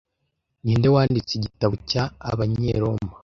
Ninde wanditse igitabo cya abanyeroma